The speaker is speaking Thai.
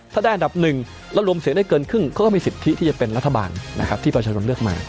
ถ้าได้อันดับหนึ่งแล้วรวมเสียงได้เกินครึ่งเขาก็มีสิทธิที่จะเป็นรัฐบาลนะครับที่ประชาชนเลือกมา